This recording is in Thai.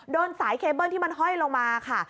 โดนสายเคเบิ้ลที่มันห้อยลงมาค่ะ